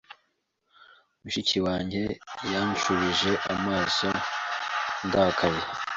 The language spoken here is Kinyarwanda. Mushiki wanjye yanshubije amaso ndakaye .